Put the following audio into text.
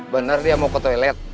benar dia mau ke toilet